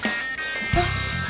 あっ。